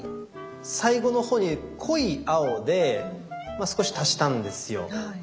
最後の方に濃い青で少し足したんですよ。